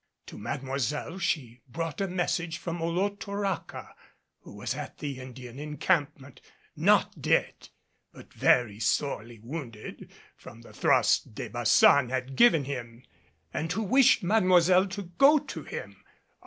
To Mademoiselle she brought a message from Olotoraca, who was at the Indian encampment not dead, but very sorely wounded from the thrust De Baçan had given him and who wished Mademoiselle to go to him.